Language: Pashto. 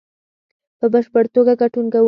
په بشپړ توګه ګډون کوو